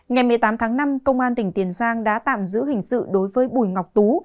ngày một mươi tám tháng năm công an tỉnh tiền giang đã tạm giữ hình sự đối với bùi ngọc tú